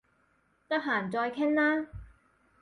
得閒再傾啦